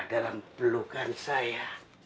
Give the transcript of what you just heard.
dalam pelukan saya